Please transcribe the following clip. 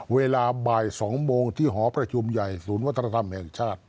เวลาบ่าย๒โมงที่หอประชุมใหญ่ศูนย์วัฒนธรรมแห่งชาติ